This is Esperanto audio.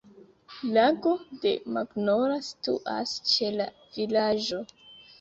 Lago de Mognola situas ĉe la vilaĝo.